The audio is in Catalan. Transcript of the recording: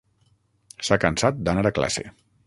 S'ha cansat d'anar a classe.